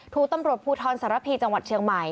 ถูกตำรวจภูทรสารพีจังหวัดเชียงใหม่